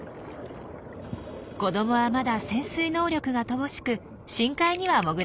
子どもはまだ潜水能力が乏しく深海には潜れません。